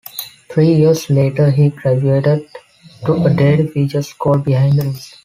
Three years later he graduated to a daily feature called "Behind the News".